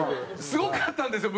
すごかったんですよ